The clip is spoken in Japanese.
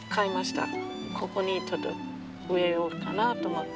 ここにちょっと植えようかなと思って。